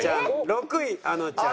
６位あのちゃん